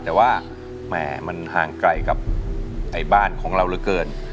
แต่ว่าแหม่มันห่างไกลกับบ้านของเราเหลือเกิน